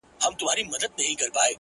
هغه سړی کلونه پس دی’ راوتلی ښار ته’